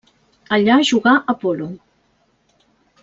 Allà jugà a polo.